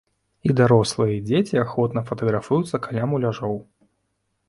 І дарослыя і дзеці ахвотна фатаграфуюцца каля муляжоў.